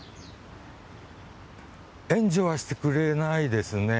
援助はしてくれないですね。